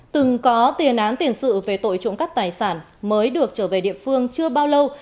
từng có tiền án tiền sự về tội trộm cắp tài sản mới được trở về địa phương chưa bao lâu